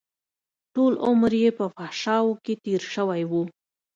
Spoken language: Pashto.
ټول عمر يې په فحشاوو کښې تېر شوى و.